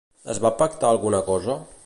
Es va pactar alguna cosa?